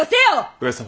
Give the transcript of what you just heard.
上様